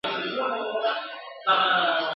آیا خلک ئې زیارت ته ورځي؟